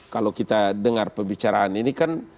kalau kita dengar pembicaraan ini kan